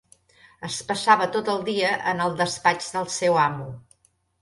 Es passava tot el sant dia en el despatx del seu amo